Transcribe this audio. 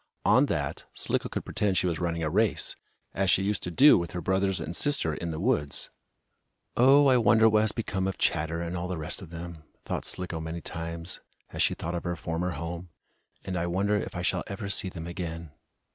On that, Slicko could pretend she was running a race, as she used to do with her brothers and sister in the woods. "Oh, I wonder what has become of Chatter, and all the rest of them," thought Slicko many times, as she thought of her former home. "And I wonder if I shall ever see them again!"